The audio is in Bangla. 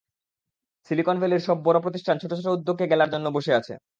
সিলিকন ভ্যালির সব বড় প্রতিষ্ঠান ছোট ছোট উদ্যোগকে গেলার জন্য বসে আছে।